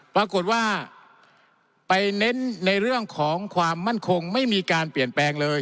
ปรากฏว่าไปเน้นในเรื่องของความมั่นคงไม่มีการเปลี่ยนแปลงเลย